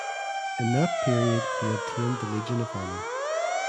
In that period he obtained the Legion of Honour.